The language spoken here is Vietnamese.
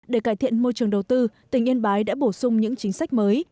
để cải thiện môi trường đầu tư tỉnh yên bái đã bổ sung những chính sách mới